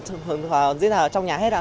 nên là mọi hoạt động rất là trong nhà hết ạ